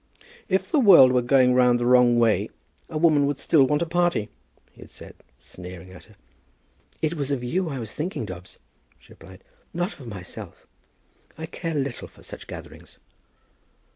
"If the world were going round the wrong way, a woman would still want a party," he had said, sneering at her. "It was of you I was thinking, Dobbs," she replied; "not of myself. I care little for such gatherings."